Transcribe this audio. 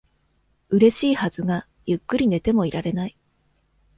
嬉しいはずが、ゆっくり寝てもいられない。